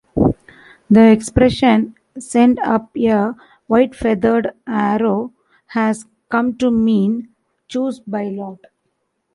The expression "send up a white-feathered arrow" has come to mean "choose by lot.